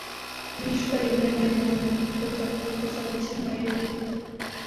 বিশেষ করে ইমরানের বোন নাকি খুব তত্পরতা চালাচ্ছেন ভাইয়ের বিয়ে দিতে।